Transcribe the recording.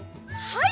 はい！